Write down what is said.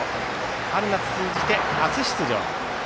春夏通じて初出場